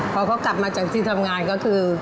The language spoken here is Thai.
พอเขากลับมาจากที่ทำงานก็คือ